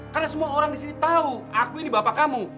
karena semua orang disini tau aku ini bapak kamu